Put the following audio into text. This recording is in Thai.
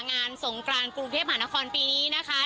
งานสงกรานกรุงเทพหานครปีนี้นะคะ